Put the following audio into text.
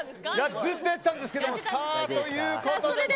ずっとやってたんですけどということで。